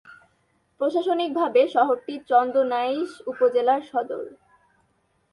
প্রশাসনিকভাবে শহরটি চন্দনাইশ উপজেলার সদর।